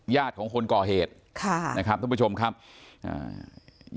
ของคนก่อเหตุค่ะนะครับท่านผู้ชมครับอ่า